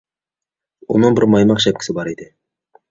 ئۇنىڭ بىر مايماق شەپكىسى بار ئىدى.